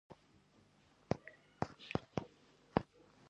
د مشرانو سپکاوی د قوم سپکاوی دی.